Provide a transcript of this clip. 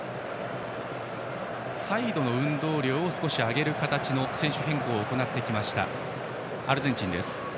サイドの運動量を少し上げる形の選手変更を行ってきたアルゼンチン。